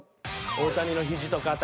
大谷の肘と肩。